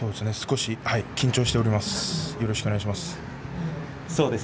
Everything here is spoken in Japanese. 緊張しております。